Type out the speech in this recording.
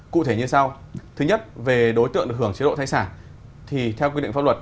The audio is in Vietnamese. cụ thể như sau thứ nhất về đối tượng được hưởng chế độ thai sản thì theo quy định pháp luật